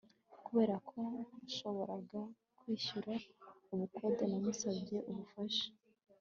kubera ko ntashoboraga kwishyura ubukode, namusabye ubufasha